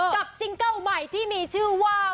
ซิงเกิ้ลใหม่ที่มีชื่อว่า